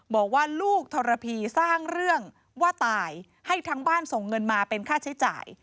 บอกว่าลูกทรพีสร้างเรื่องว่าตายให้ทั้งบ้านส่งเงินมาเป็นค่าใช้จ่าย